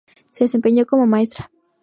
Se desempeñó como maestra.